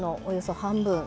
およそ半分。